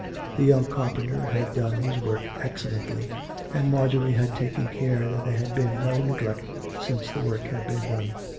... The young carpenter had done his work excellently, and Marjorie had taken care that there had been no neglect since the work had been done.